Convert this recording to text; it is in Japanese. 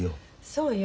そうよ。